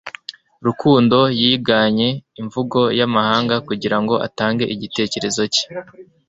Rukundo yiganye imvugo y'amahanga kugirango atange igitekerezo cye